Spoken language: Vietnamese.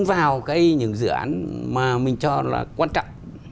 vào những dự án mà mình cho là quan trọng